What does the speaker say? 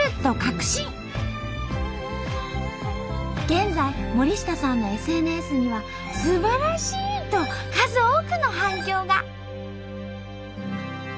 現在森下さんのＳＮＳには「すばらしい！」と数多くの反響が！